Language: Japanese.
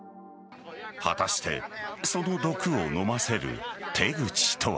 果たしてその毒を飲ませる手口とは。